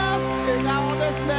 笑顔ですね！